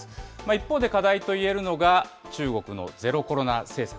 一方で課題といえるのが、中国のゼロコロナ政策。